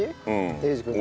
英二君の。